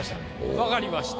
分かりました。